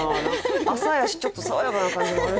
朝やしちょっと爽やかな感じもある。